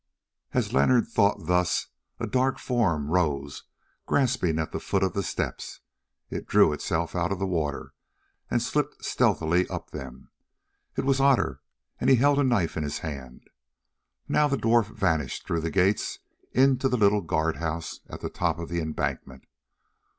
As Leonard thought thus a dark form rose gasping at the foot of the steps; it drew itself out of the water and slipped stealthily up them. It was Otter, and he held a knife in his hand. Now the dwarf vanished through the gates into the little guard house at the top of the embankment.